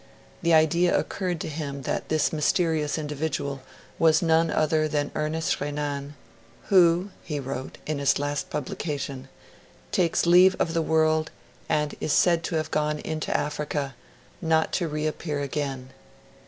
The idea occurred to him that this mysterious individual was none other than Ernest Renan, 'who,' he wrote, in his last publication 'takes leave of the world, and is said to have gone into Africa, not to reappear again'.